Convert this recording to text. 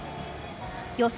予想